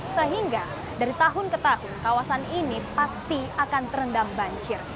sehingga dari tahun ke tahun kawasan ini pasti akan terendam banjir